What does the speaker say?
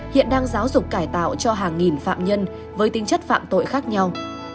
hiện đang giáo dục cải tạo cho hàng nghìn phạm nhân với tinh chất phạm tội khác nhau